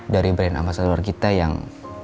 dari brand ambasador kita yang